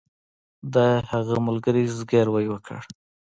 د هغه ملګري زګیروی وکړ